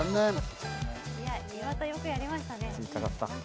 岩田、よくやりましたね。